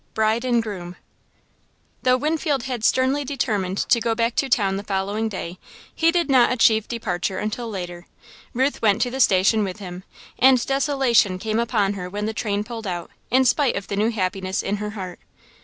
Bride and Groom Though Winfield had sternly determined to go back to town the following day, he did not achieve departure until later. Ruth went to the station with him, and desolation came upon her when the train pulled out, in spite of the new happiness in her heart.